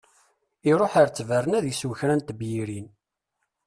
Iṛuḥ ar ttberna ad d-isew kra n tebyirin.